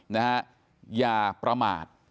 นะฮะอย่าประมาท